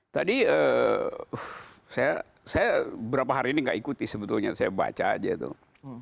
tadi saya berapa hari ini nggak ikuti sebetulnya saya baca aja tuh